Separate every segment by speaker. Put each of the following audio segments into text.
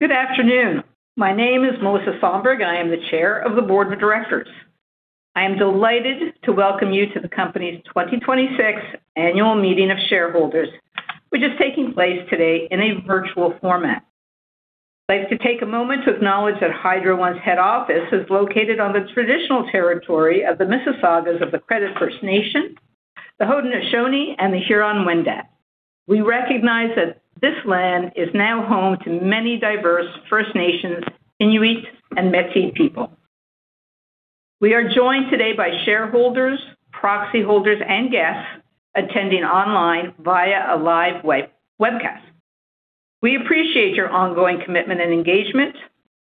Speaker 1: Good afternoon. My name is Melissa Sonberg. I am the Chair of the Board of Directors. I am delighted to welcome you to the company's 2026 Annual Meeting of Shareholders, which is taking place today in a virtual format. I'd like to take a moment to acknowledge that Hydro One's head office is located on the traditional territory of the Mississaugas of the Credit First Nation, the Haudenosaunee, and the Huron-Wendat Nation. We recognize that this land is now home to many diverse First Nations, Inuit, and Métis people. We are joined today by shareholders, proxy holders, and guests attending online via a live webcast. We appreciate your ongoing commitment and engagement.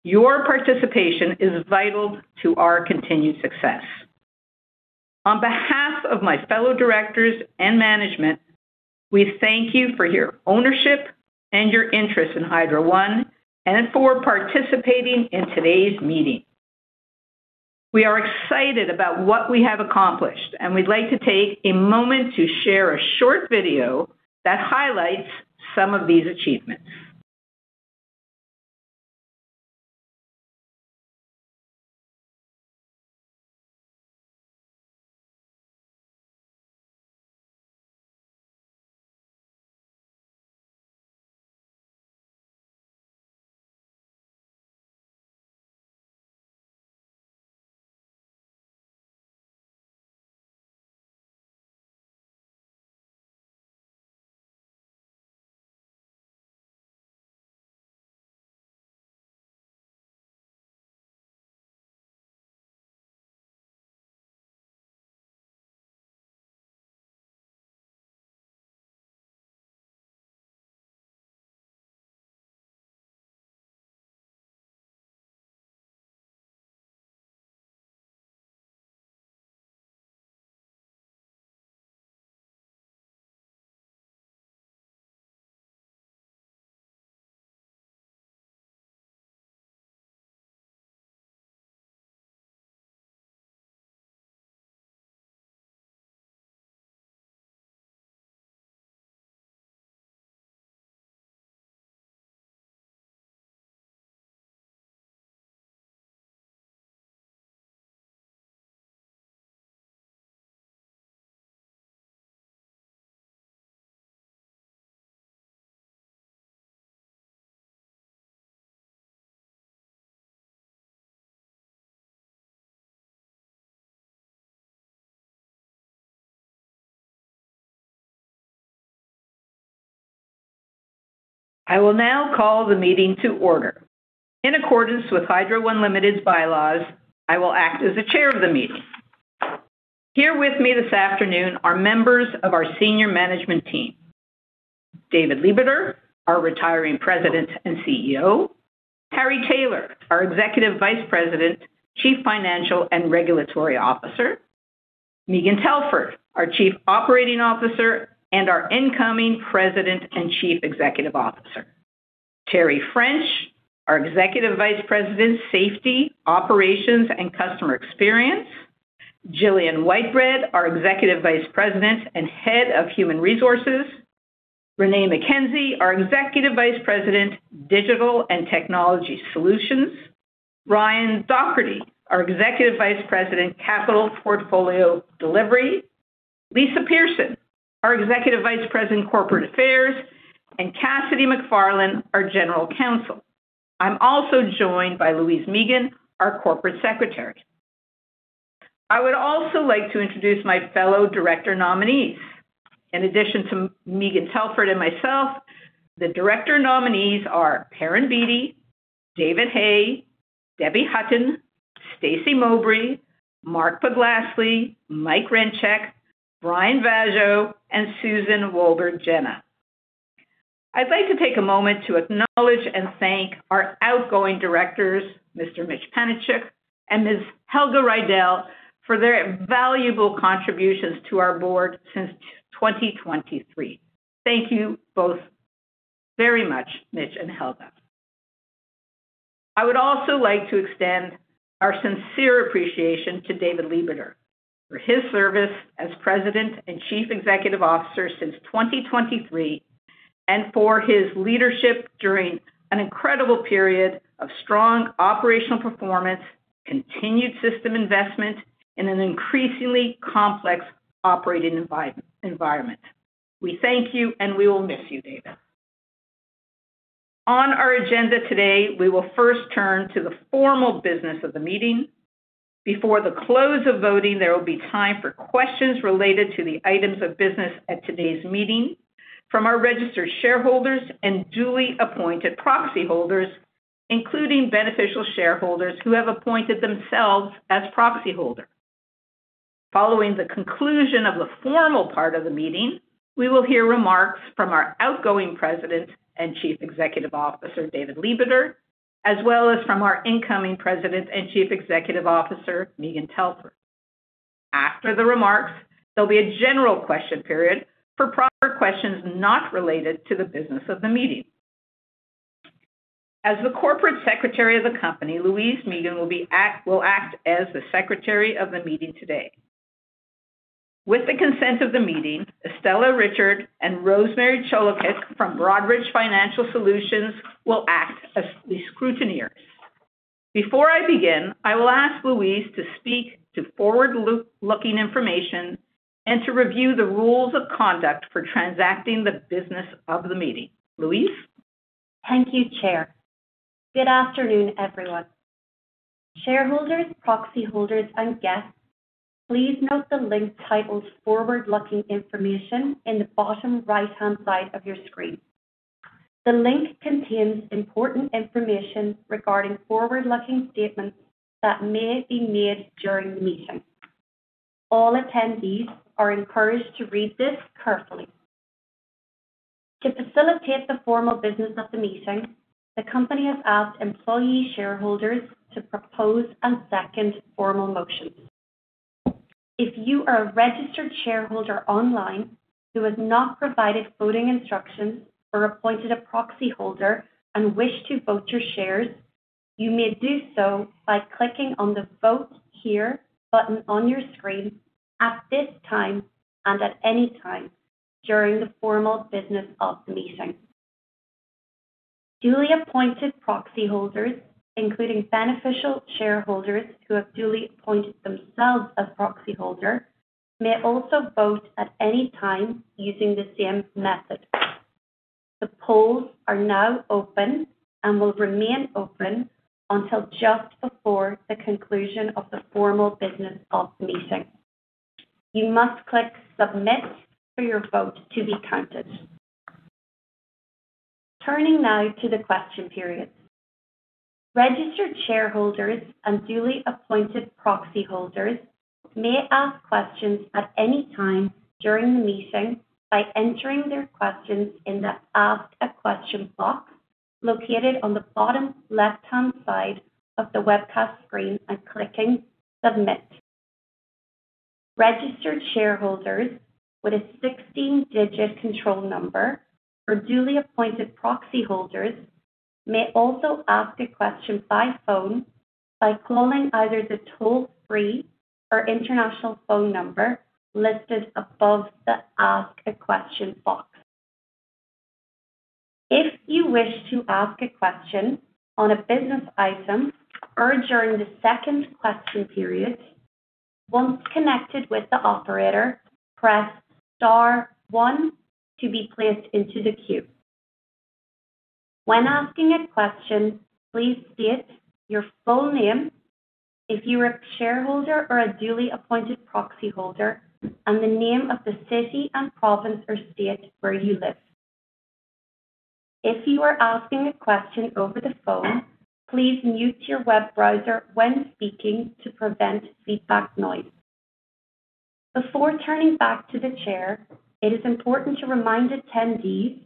Speaker 1: Your participation is vital to our continued success. On behalf of my fellow directors and management, we thank you for your ownership and your interest in Hydro One and for participating in today's meeting. We are excited about what we have accomplished. We'd like to take a moment to share a short video that highlights some of these achievements. I will now call the meeting to order. In accordance with Hydro One Limited's bylaws, I will act as the Chair of the meeting. Here with me this afternoon are members of our senior management team. David Lebeter, our retiring President and CEO. Harry Taylor, our Executive Vice President, Chief Financial and Regulatory Officer. Megan Telford, our Chief Operating Officer, and our incoming President and Chief Executive Officer. Teri French, our Executive Vice President, Safety, Operations and Customer Experience. Gillian Whitebread, our Executive Vice President and Head of Human Resources. Renée McKenzie, our Executive Vice President, Digital and Technology Solutions. Ryan Docherty, our Executive Vice President, Capital Portfolio Delivery. Lisa Pearson, our Executive Vice President, Corporate Affairs, and Cassidy McFarlane, our General Counsel. I'm also joined by Louise Meegan, our Corporate Secretary. I would also like to introduce my fellow director nominees. In addition to Megan Telford and myself, the director nominees are Perrin Beatty, David Hay, Debbie Hutton, Stacey Mowbray, Mark Podlasly, Mike Rencheck, Brian Vaasjo, and Susan Wolburgh Jenah. I'd like to take a moment to acknowledge and thank our outgoing directors, Mr. Mitch Panciuk and Ms. Helga Reidel, for their valuable contributions to our Board since 2023. Thank you both very much, Mitch and Helga. I would also like to extend our sincere appreciation to David Lebeter for his service as President and Chief Executive Officer since 2023, and for his leadership during an incredible period of strong operational performance, continued system investment in an increasingly complex operating environment. We thank you, and we will miss you, David. On our agenda today, we will first turn to the formal business of the meeting. Before the close of voting, there will be time for questions related to the items of business at today's meeting from our registered shareholders and duly appointed proxy holders, including beneficial shareholders who have appointed themselves as proxy holders. Following the conclusion of the formal part of the meeting, we will hear remarks from our outgoing President and Chief Executive Officer, David Lebeter, as well as from our incoming President and Chief Executive Officer, Megan Telford. After the remarks, there'll be a general question period for proper questions not related to the business of the meeting. As the Corporate Secretary of the company, Louise Meakin will act as the Secretary of the meeting today. With the consent of the meeting, Estella Richard and Rosemary Cholowiec from Broadridge Financial Solutions will act as the scrutineers. Before I begin, I will ask Louise to speak to Forward Looking Information and to review the rules of conduct for transacting the business of the meeting. Louise?
Speaker 2: Thank you, Chair. Good afternoon, everyone. Shareholders, proxy holders, and guests, please note the link titled Forward Looking Information in the bottom right-hand side of your screen. The link contains important information regarding forward-looking statements that may be made during the meeting. All attendees are encouraged to read this carefully. To facilitate the formal business of the meeting, the company has asked employee shareholders to propose and second formal motions. If you are a registered shareholder online who has not provided voting instructions or appointed a proxy holder and wish to vote your shares, you may do so by clicking on the Vote Here button on your screen at this time and at any time during the formal business of the meeting. Duly appointed proxy holders, including beneficial shareholders who have duly appointed themselves as proxy holder, may also vote at any time using the same method. The polls are now open and will remain open until just before the conclusion of the formal business of the meeting. You must click Submit for your vote to be counted. Turning now to the question period. Registered shareholders and duly appointed proxy holders may ask questions at any time during the meeting by entering their questions in the Ask a Question box located on the bottom left-hand side of the webcast screen and clicking Submit. Registered shareholders with a 16-digit control number or duly appointed proxy holders may also ask a question by phone by calling either the toll-free or international phone number listed above the Ask a Question box. If you wish to ask a question on a business item or during the second question period, once connected with the operator, press star one to be placed into the queue. When asking a question, please state your full name, if you are a shareholder or a duly appointed proxy holder, and the name of the city and province or state where you live. If you are asking a question over the phone, please mute your web browser when speaking to prevent feedback noise. Before turning back to the chair, it is important to remind attendees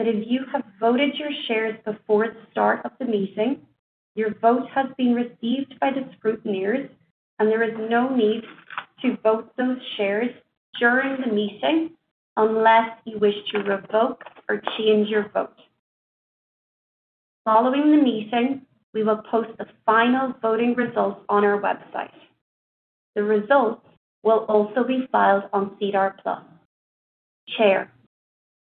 Speaker 2: that if you have voted your shares before the start of the meeting, your vote has been received by the scrutineers and there is no need to vote those shares during the meeting unless you wish to revoke or change your vote. Following the meeting, we will post the final voting results on our website. The results will also be filed on SEDAR+. Chair,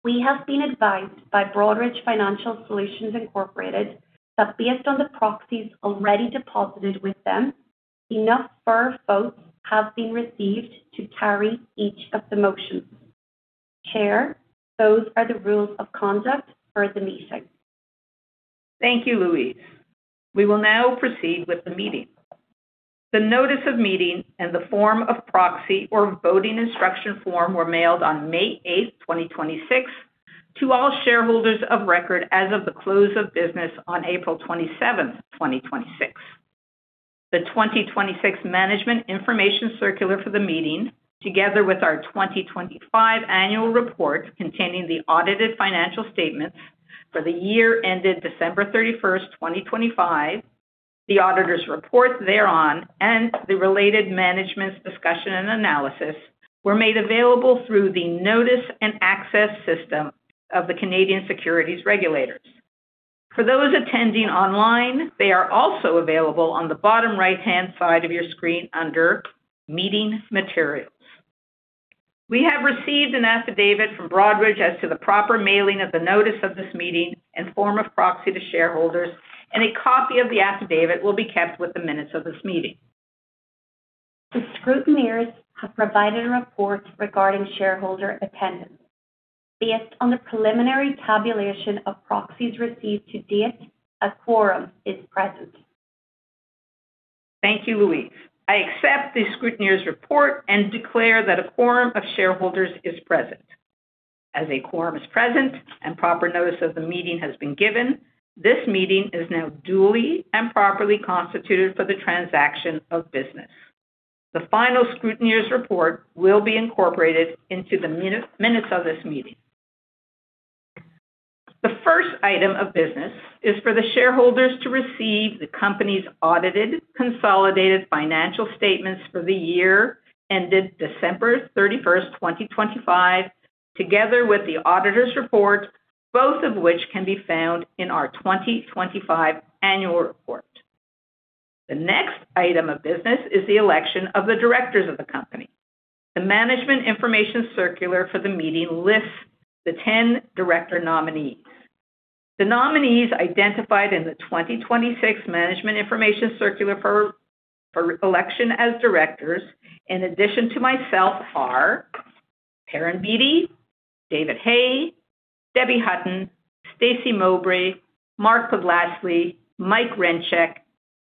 Speaker 2: we have been advised by Broadridge Financial Solutions Incorporated that based on the proxies already deposited with them, enough firm votes have been received to carry each of the motions. Chair, those are the rules of conduct for the meeting.
Speaker 1: Thank you, Louise. We will now proceed with the meeting. The notice of meeting and the form of proxy or voting instruction form were mailed on May 8th, 2026, to all shareholders of record as of the close of business on April 27th, 2026. The 2026 Management Information Circular for the meeting, together with our 2025 annual report containing the audited financial statements for the year ended December 31st, 2025, the auditors' report thereon, and the related management's discussion and analysis were made available through the Notice and Access system of the Canadian Securities Administrators. For those attending online, they are also available on the bottom right-hand side of your screen under Meeting Materials. We have received an affidavit from Broadridge as to the proper mailing of the notice of this meeting and form of proxy to shareholders. A copy of the affidavit will be kept with the minutes of this meeting.
Speaker 2: The scrutineers have provided a report regarding shareholder attendance. Based on the preliminary tabulation of proxies received to date, a quorum is present.
Speaker 1: Thank you, Louise. I accept the scrutineer's report and declare that a quorum of shareholders is present. As a quorum is present and proper notice of the meeting has been given, this meeting is now duly and properly constituted for the transaction of business. The final scrutineer's report will be incorporated into the minutes of this meeting. The first item of business is for the shareholders to receive the company's audited consolidated financial statements for the year ended December 31st, 2025, together with the auditors' report, both of which can be found in our 2025 annual report. The next item of business is the election of the directors of the company. The management information circular for the meeting lists the 10 director nominees. The nominees identified in the 2026 management information circular for election as directors in addition to myself are Perrin Beatty, David Hay, Debbie Hutton, Stacey Mowbray, Mark Podlasly, Mike Rencheck,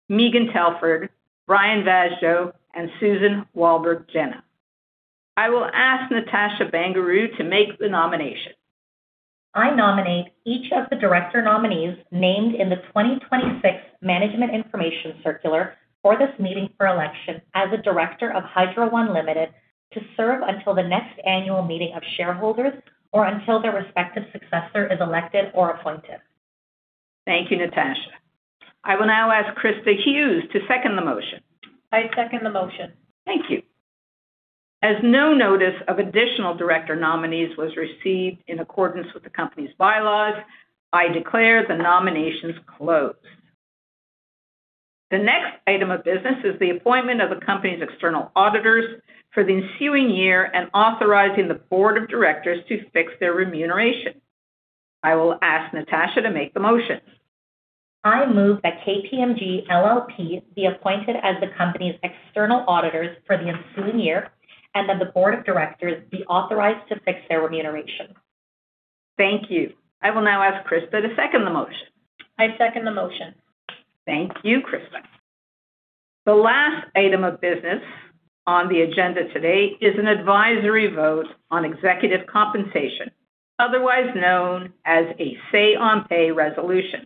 Speaker 1: Megan Telford, Brian Vaasjo, and Susan Wolburgh Jenah. I will ask Natasha Bangaroo to make the nomination.
Speaker 3: I nominate each of the director nominees named in the 2026 management information circular for this meeting for election as a director of Hydro One Limited to serve until the next annual meeting of shareholders or until their respective successor is elected or appointed.
Speaker 1: Thank you, Natasha. I will now ask Krista Hughes to second the motion.
Speaker 4: I second the motion.
Speaker 1: Thank you. As no notice of additional director nominees was received in accordance with the company's bylaws, I declare the nominations closed. The next item of business is the appointment of the company's external auditors for the ensuing year and authorizing the board of directors to fix their remuneration. I will ask Natasha to make the motion.
Speaker 3: I move that KPMG LLP be appointed as the company's external auditors for the ensuing year, and that the board of directors be authorized to fix their remuneration.
Speaker 1: Thank you. I will now ask Krista to second the motion.
Speaker 4: I second the motion.
Speaker 1: Thank you, Krista. The last item of business on the agenda today is an advisory vote on executive compensation, otherwise known as a say-on-pay resolution.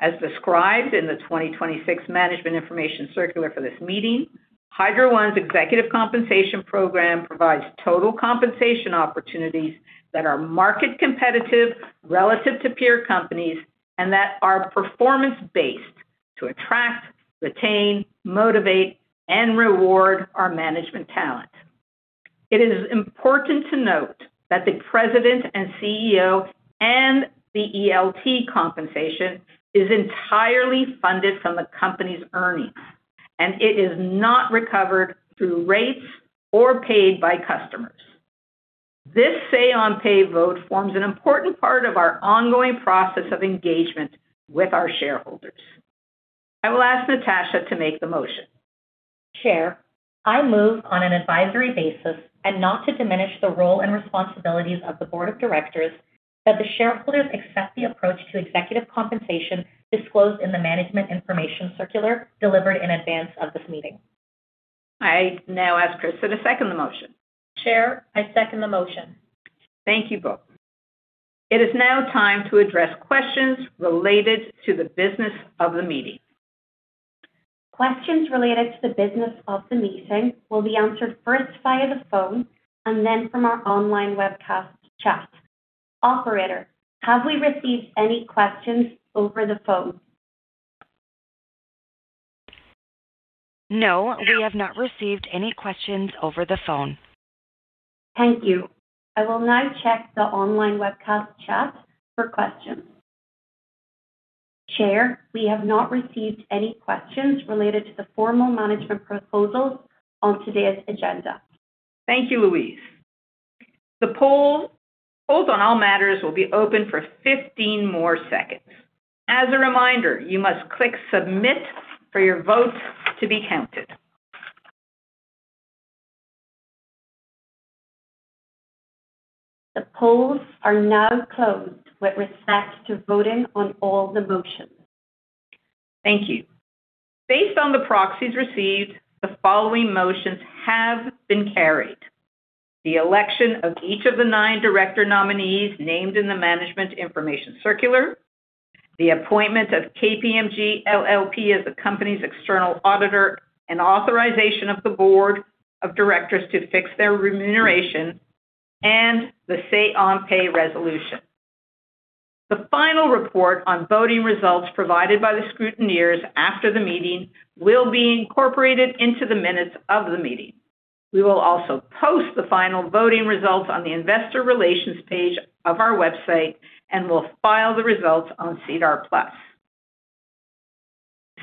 Speaker 1: As described in the 2026 management information circular for this meeting, Hydro One's executive compensation program provides total compensation opportunities that are market-competitive relative to peer companies and that are performance-based to attract, retain, motivate, and reward our management talent. It is important to note that the President and CEO and the ELT compensation is entirely funded from the company's earnings, and it is not recovered through rates or paid by customers. This say-on-pay vote forms an important part of our ongoing process of engagement with our shareholders. I will ask Natasha to make the motion.
Speaker 3: Chair, I move on an advisory basis and not to diminish the role and responsibilities of the board of directors that the shareholders accept the approach to executive compensation disclosed in the management information circular delivered in advance of this meeting.
Speaker 1: I now ask Krista to second the motion.
Speaker 4: Chair, I second the motion.
Speaker 1: Thank you both. It is now time to address questions related to the business of the meeting.
Speaker 2: Questions related to the business of the meeting will be answered first via the phone and then from our online webcast chat. Operator, have we received any questions over the phone?
Speaker 5: No, we have not received any questions over the phone.
Speaker 2: Thank you. I will now check the online webcast chat for questions. Chair, we have not received any questions related to the formal management proposals on today's agenda.
Speaker 1: Thank you, Louise. The polls on all matters will be open for 15 more seconds. As a reminder, you must click submit for your vote to be counted.
Speaker 2: The polls are now closed with respect to voting on all the motions.
Speaker 1: Thank you. Based on the proxies received, the following motions have been carried: the election of each of the nine Director nominees named in the management information circular, the appointment of KPMG LLP as the company's external auditor, and authorization of the Board of Directors to fix their remuneration, and the say-on-pay resolution. The final report on voting results provided by the scrutineers after the meeting will be incorporated into the minutes of the meeting. We will also post the final voting results on the investor relations page of our website, and we will file the results on SEDAR+.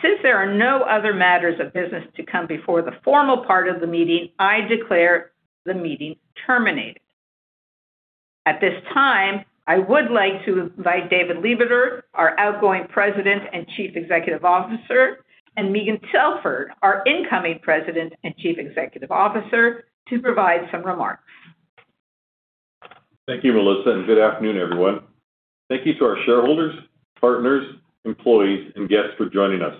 Speaker 1: Since there are no other matters of business to come before the formal part of the meeting, I declare the meeting terminated. At this time, I would like to invite David Lebeter, our outgoing President and Chief Executive Officer, and Megan Telford, our incoming President and Chief Executive Officer, to provide some remarks.
Speaker 6: Thank you, Melissa, good afternoon, everyone. Thank you to our shareholders, partners, employees, and guests for joining us.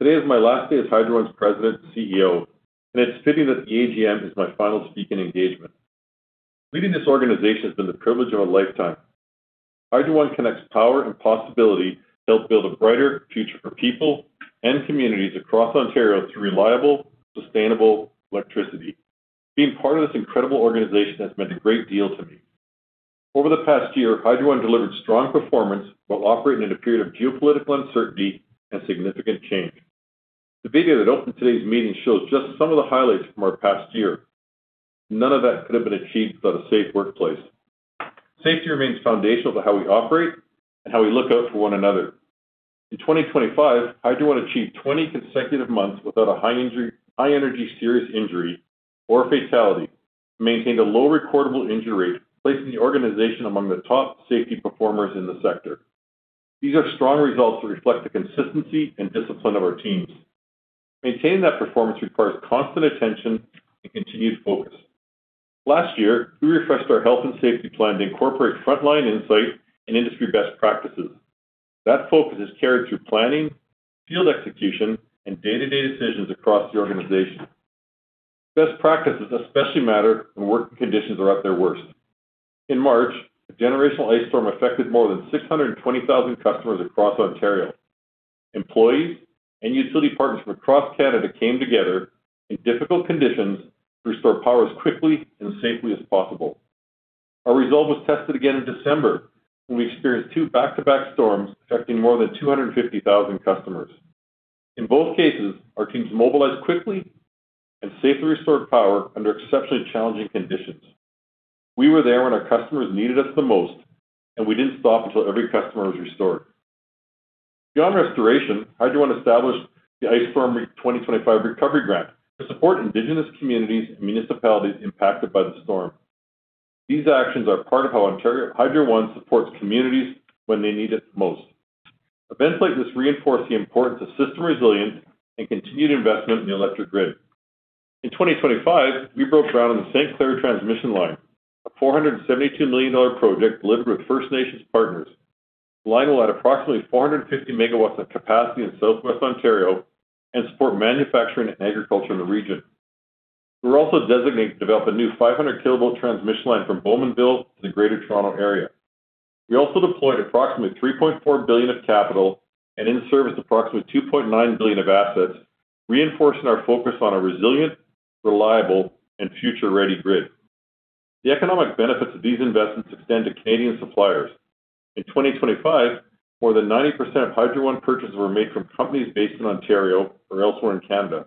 Speaker 6: Today is my last day as Hydro One's President and CEO, it's fitting that the AGM is my final speaking engagement. Leading this organization has been the privilege of a lifetime. Hydro One connects power and possibility to help build a brighter future for people and communities across Ontario through reliable, sustainable electricity. Being part of this incredible organization has meant a great deal to me. Over the past year, Hydro One delivered strong performance while operating in a period of geopolitical uncertainty and significant change. The video that opened today's meeting shows just some of the highlights from our past year. None of that could have been achieved without a safe workplace. Safety remains foundational to how we operate and how we look out for one another. In 2025, Hydro One achieved 20 consecutive months without a high-energy serious injury or fatality, maintained a low recordable injury rate, placing the organization among the top safety performers in the sector. These are strong results that reflect the consistency and discipline of our teams. Maintaining that performance requires constant attention and continued focus. Last year, we refreshed our health and safety plan to incorporate frontline insight and industry best practices. That focus is carried through planning, field execution, and day-to-day decisions across the organization. Best practices especially matter when working conditions are at their worst. In March, a generational ice storm affected more than 620,000 customers across Ontario. Employees and utility partners from across Canada came together in difficult conditions to restore power as quickly and safely as possible. Our resolve was tested again in December when we experienced two back-to-back storms affecting more than 250,000 customers. In both cases, our teams mobilized quickly, safely restored power under exceptionally challenging conditions. We were there when our customers needed us the most, we didn't stop until every customer was restored. Beyond restoration, Hydro One established the Ice Storm 2025 Recovery Grant to support Indigenous communities and municipalities impacted by the storm. These actions are part of how Hydro One supports communities when they need it the most. Events like this reinforce the importance of system resilience and continued investment in the electric grid. In 2025, we broke ground on the St. Clair transmission line, a 472 million dollar project delivered with First Nations partners. The line will add approximately 450 megawatts of capacity in Southwest Ontario and support manufacturing and agriculture in the region. We were also designated to develop a new 500-kilovolt transmission line from Bowmanville to the Greater Toronto area. We also deployed approximately 3.4 billion of capital and in-service approximately 2.9 billion of assets, reinforcing our focus on a resilient, reliable, and future-ready grid. The economic benefits of these investments extend to Canadian suppliers. In 2025, more than 90% of Hydro One purchases were made from companies based in Ontario or elsewhere in Canada,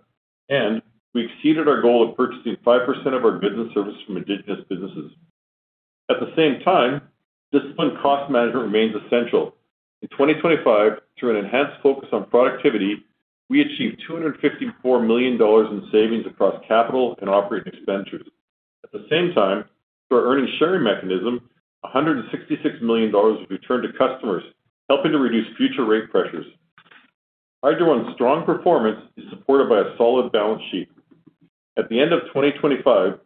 Speaker 6: and we exceeded our goal of purchasing 5% of our goods and services from Indigenous businesses. At the same time, disciplined cost management remains essential. In 2025, through an enhanced focus on productivity, we achieved 254 million dollars in savings across capital and operating expenditures. At the same time, through our earnings-sharing mechanism, 166 million dollars was returned to customers, helping to reduce future rate pressures. Hydro One's strong performance is supported by a solid balance sheet. At the end of 2025,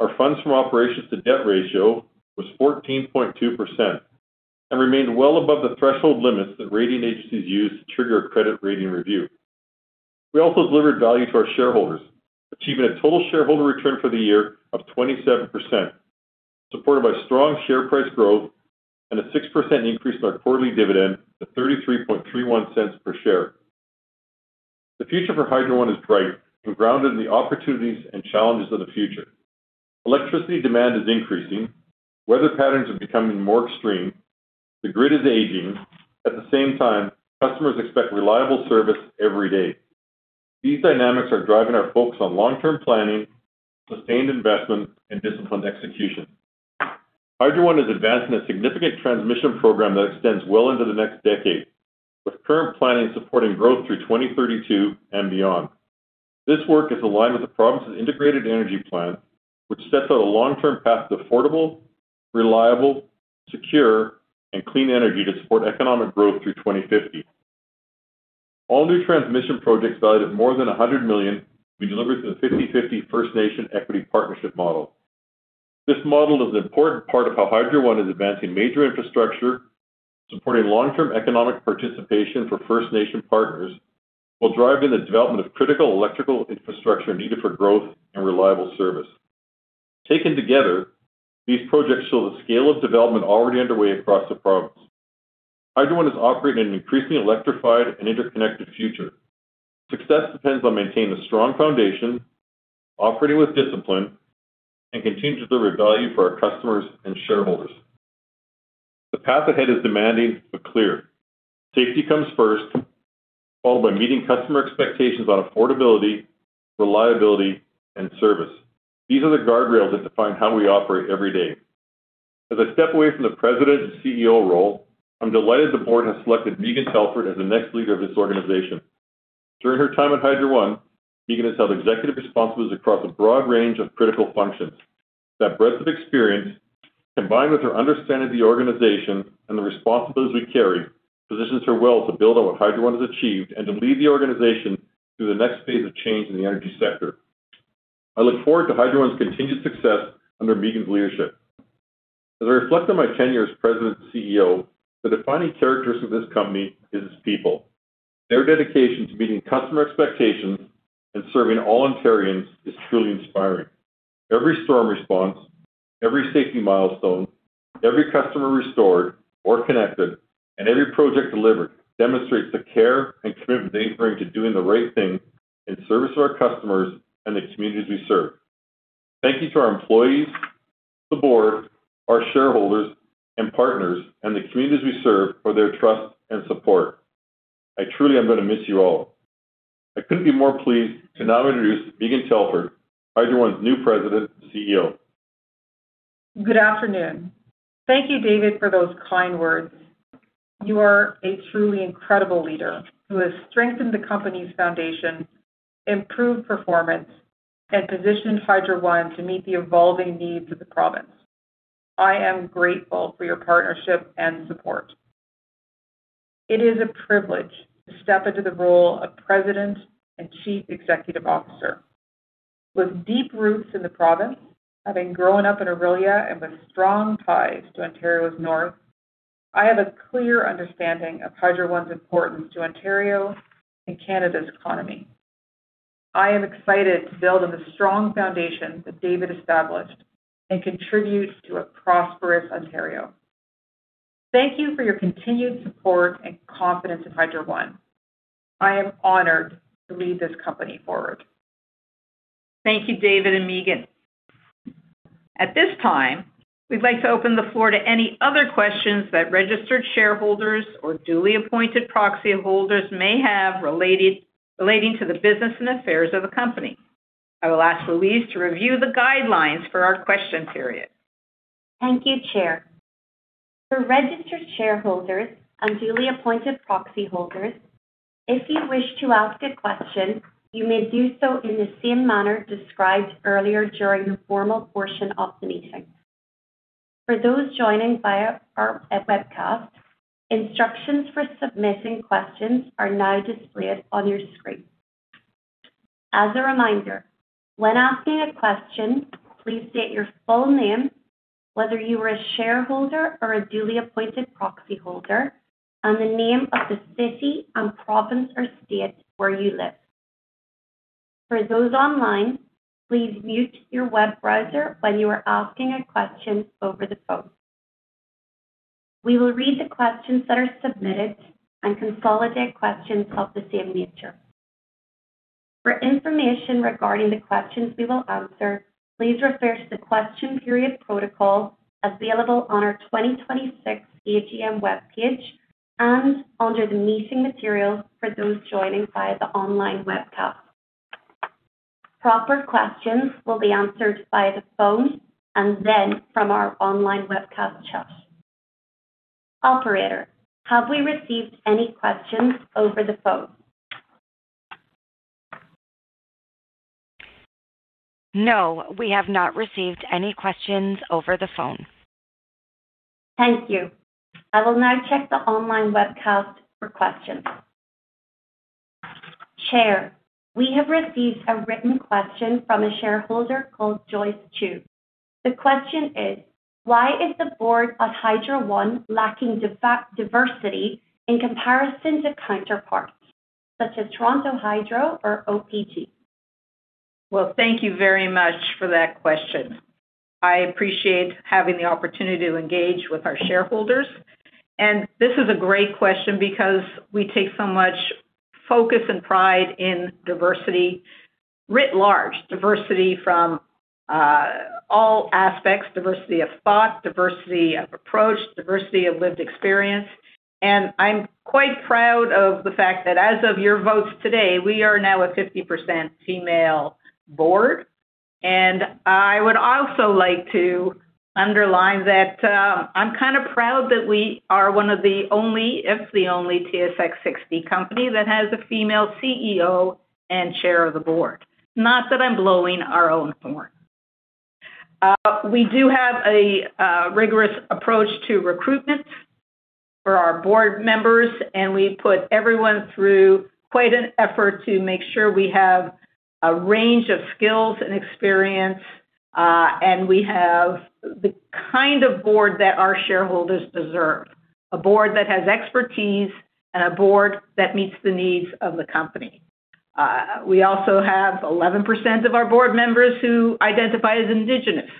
Speaker 6: our funds from operations to debt ratio was 14.2% and remained well above the threshold limits that rating agencies use to trigger a credit rating review. We also delivered value to our shareholders, achieving a total shareholder return for the year of 27%, supported by strong share price growth and a 6% increase in our quarterly dividend to 0.3331 per share. The future for Hydro One is bright but grounded in the opportunities and challenges of the future. Electricity demand is increasing. Weather patterns are becoming more extreme. The grid is aging. At the same time, customers expect reliable service every day. These dynamics are driving our focus on long-term planning, sustained investment, and disciplined execution. Hydro One is advancing a significant transmission program that extends well into the next decade, with current planning supporting growth through 2032 and beyond. This work is aligned with the province's integrated energy plan, which sets out a long-term path to affordable, reliable, secure, and clean energy to support economic growth through 2050. All new transmission projects valued at more than 100 million will be delivered through the 50/50 First Nation Equity Partnership Model. This model is an important part of how Hydro One is advancing major infrastructure, supporting long-term economic participation for First Nation partners, while driving the development of critical electrical infrastructure needed for growth and reliable service. Taken together, these projects show the scale of development already underway across the province. Hydro One has operated in an increasingly electrified and interconnected future. Success depends on maintaining a strong foundation, operating with discipline, and continue to deliver value for our customers and shareholders. The path ahead is demanding but clear. Safety comes first, followed by meeting customer expectations on affordability, reliability, and service. These are the guardrails that define how we operate every day. As I step away from the President and CEO role, I'm delighted the board has selected Megan Telford as the next leader of this organization. During her time at Hydro One, Megan has held executive responsibilities across a broad range of critical functions. That breadth of experience, combined with her understanding of the organization and the responsibilities we carry, positions her well to build on what Hydro One has achieved and to lead the organization through the next phase of change in the energy sector. I look forward to Hydro One's continued success under Megan's leadership. As I reflect on my tenure as President and CEO, the defining characteristic of this company is its people. Their dedication to meeting customer expectations and serving all Ontarians is truly inspiring. Every storm response, every safety milestone, every customer restored or connected, and every project delivered demonstrates the care and commitment they bring to doing the right thing in service of our customers and the communities we serve. Thank you to our employees, the board, our shareholders and partners, and the communities we serve for their trust and support. I truly am going to miss you all. I couldn't be more pleased to now introduce Megan Telford, Hydro One's new President and CEO.
Speaker 7: Good afternoon. Thank you, David, for those kind words. You are a truly incredible leader who has strengthened the company's foundation, improved performance, and positioned Hydro One to meet the evolving needs of the province. I am grateful for your partnership and support. It is a privilege to step into the role of President and Chief Executive Officer. With deep roots in the province, having grown up in Orillia, and with strong ties to Ontario's North, I have a clear understanding of Hydro One's importance to Ontario and Canada's economy. I am excited to build on the strong foundation that David established and contribute to a prosperous Ontario. Thank you for your continued support and confidence in Hydro One. I am honored to lead this company forward.
Speaker 1: Thank you, David and Megan. At this time, we'd like to open the floor to any other questions that registered shareholders or duly appointed proxy holders may have relating to the business and affairs of the company. I will ask Louise to review the guidelines for our question period.
Speaker 2: Thank you, Chair. For registered shareholders and duly appointed proxy holders, if you wish to ask a question, you may do so in the same manner described earlier during the formal portion of the meeting. For those joining via our webcast, instructions for submitting questions are now displayed on your screen. As a reminder, when asking a question, please state your full name, whether you are a shareholder or a duly appointed proxy holder, and the name of the city and province or state where you live. For those online, please mute your web browser when you are asking a question over the phone. We will read the questions that are submitted and consolidate questions of the same nature. For information regarding the questions we will answer, please refer to the question period protocol available on our 2026 AGM webpage and under the meeting materials for those joining via the online webcast. Proper questions will be answered via the phone and then from our online webcast chat. Operator, have we received any questions over the phone?
Speaker 5: No, we have not received any questions over the phone.
Speaker 2: Thank you. I will now check the online webcast for questions. Chair, we have received a written question from a shareholder called Joyce Chu. The question is: Why is the board of Hydro One lacking diversity in comparison to counterparts such as Toronto Hydro or OPG?
Speaker 1: Thank you very much for that question. I appreciate having the opportunity to engage with our shareholders. This is a great question because we take so much focus and pride in diversity writ large, diversity from all aspects, diversity of thought, diversity of approach, diversity of lived experience. I'm quite proud of the fact that as of your votes today, we are now a 50% female board. I would also like to underline that I'm kind of proud that we are one of the only, if the only, TSX 60 company that has a female CEO and chair of the board. Not that I'm blowing our own horn. We do have a rigorous approach to recruitment for our board members. We put everyone through quite an effort to make sure we have a range of skills and experience. We have the kind of board that our shareholders deserve, a board that has expertise and a board that meets the needs of the company. We also have 11% of our board members who identify as indigenous.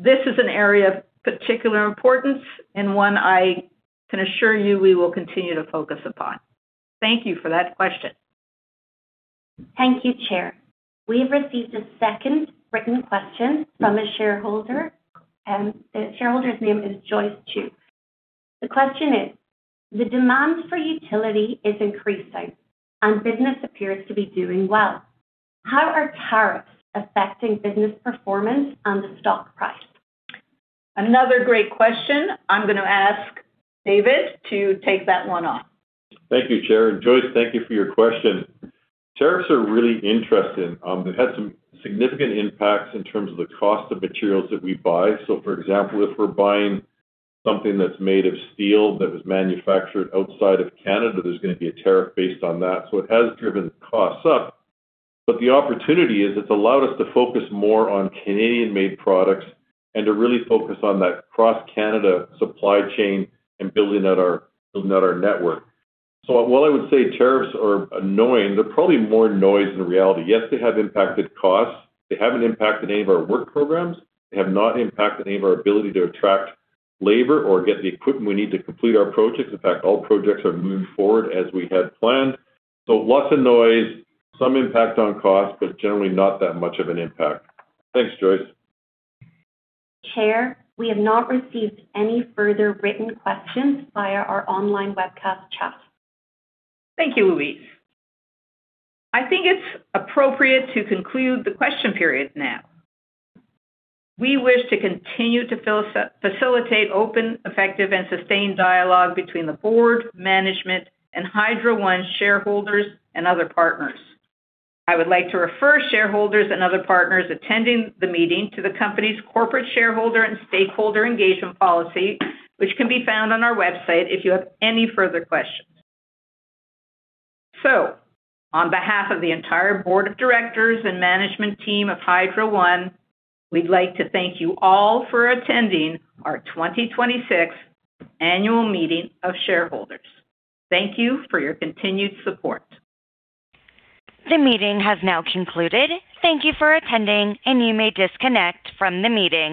Speaker 1: This is an area of particular importance and one I can assure you we will continue to focus upon. Thank you for that question.
Speaker 2: Thank you, Chair. We have received a second written question from a shareholder. The shareholder's name is Joyce Chu. The question is: The demand for utility is increasing. Business appears to be doing well. How are tariffs affecting business performance and the stock price?
Speaker 1: Another great question. I'm going to ask David to take that one on.
Speaker 6: Thank you, Chair. Joyce, thank you for your question. Tariffs are really interesting. They've had some significant impacts in terms of the cost of materials that we buy. For example, if we're buying something that's made of steel that was manufactured outside of Canada, there's going to be a tariff based on that. It has driven costs up. The opportunity is it's allowed us to focus more on Canadian-made products and to really focus on that cross-Canada supply chain and building out our network. While I would say tariffs are annoying, they're probably more noise than reality. Yes, they have impacted costs. They haven't impacted any of our work programs. They have not impacted any of our ability to attract labor or get the equipment we need to complete our projects. In fact, all projects are moving forward as we had planned. Lots of noise, some impact on cost, but generally not that much of an impact. Thanks, Joyce.
Speaker 2: Chair, we have not received any further written questions via our online webcast chat.
Speaker 1: Thank you, Louise. I think it's appropriate to conclude the question period now. We wish to continue to facilitate open, effective, and sustained dialogue between the Board, management, and Hydro One shareholders and other partners. I would like to refer shareholders and other partners attending the meeting to the company's corporate shareholder and stakeholder engagement policy, which can be found on our website if you have any further questions. On behalf of the entire Board of Directors and management team of Hydro One, we'd like to thank you all for attending our 2026 annual meeting of shareholders. Thank you for your continued support.
Speaker 5: The meeting has now concluded. Thank you for attending, and you may disconnect from the meeting.